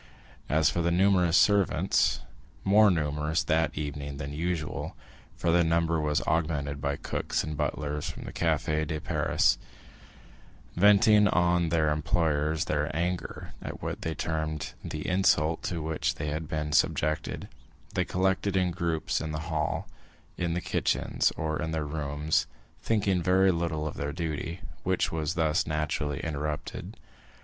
As for the numerous servants (more numerous that evening than usual, for their number was augmented by cooks and butlers from the Café de Paris), venting on their employers their anger at what they termed the insult to which they had been subjected, they collected in groups in the hall, in the kitchens, or in their rooms, thinking very little of their duty, which was thus naturally interrupted.